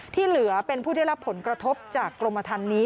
ที่เหลือเป็นผู้ได้รับผลกระทบจากกรมทันนี้